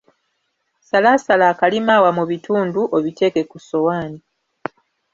Salaasala akalimaawa mu bitundu obiteeke ku ssowaani.